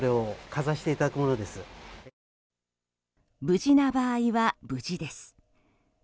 無事な場合は「無事です」。